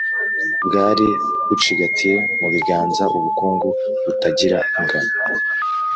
bwari bucigatiye mu biganza ubukungu butagira ingano.